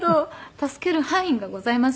助ける範囲がございますけれども。